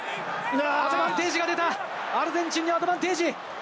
アドバンテージが出た、アルゼンチンにアドバンテージ。